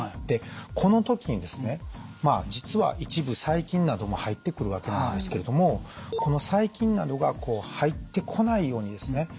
でこの時にですね実は一部細菌なども入ってくるわけなんですけれどもこの細菌などがこう入ってこないようにですね